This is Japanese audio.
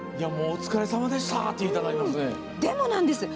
お疲れさまでしたって言いたなりますね。